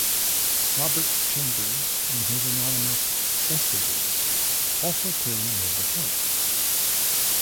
Robert Chambers in his anonymous "Vestiges" also clearly made the point.